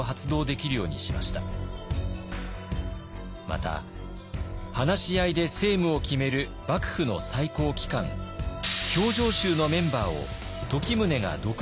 また話し合いで政務を決める幕府の最高機関評定衆のメンバーを時宗が独断で決定。